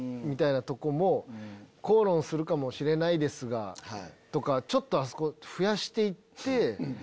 みたいなとこも「口論するかもしれないですが」とか増やして行って。